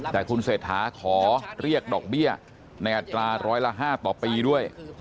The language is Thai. แต่คุณเศรษฐาขอเรียกดอกเบี้ยในอัตราร้อยละ๕ต่อปีด้วย